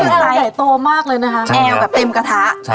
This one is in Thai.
นี่อันไหนใหญ่โตมากเลยนะคะใช่ค่ะแอลกับเต็มกระทะใช่